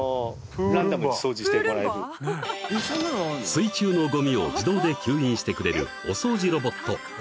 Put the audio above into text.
水中のごみを自動で吸引してくれるお掃除ロボット